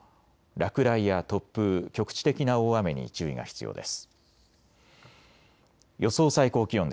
落雷や突風、局地的な大雨に注意が必要です。